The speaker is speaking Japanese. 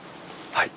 はい。